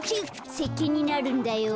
せっけんになるんだよ。